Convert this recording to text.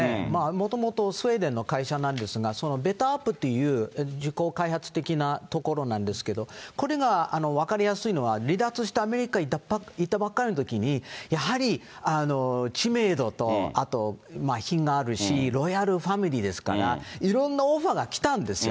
もともとスウェーデンの会社なんですが、そのベターアップっていう自己開発的なところなんですけれども、これが分かりやすいのは、離脱してアメリカに行ったばっかりのときに、やはり知名度と、あと品があるし、ロイヤルファミリーですから、いろんなオファーが来たんですよ。